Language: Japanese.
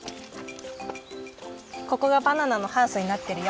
ここがバナナのハウスになってるよ。